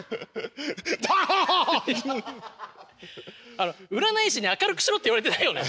あの占い師に明るくしろって言われてないよね？